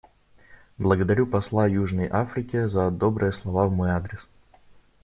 Благодарю посла Южной Африке за добрые слова в мой адрес.